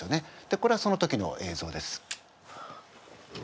でこれはその時の映像です。